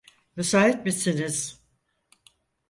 Müsait misiniz?